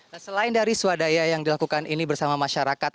nah selain dari swadaya yang dilakukan ini bersama masyarakat